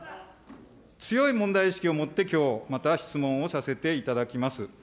強い問題意識を持って、きょう、また質問をさせていただきます。